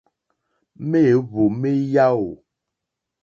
Mèóhwò mé yáò.